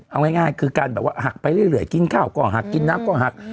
เอาง่ายคือการแบบว่าหักไปเรื่อยกินข้าวก็หักกินน้ำก็หัก